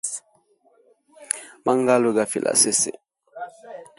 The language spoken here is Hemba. Mangalu, gafile asesi.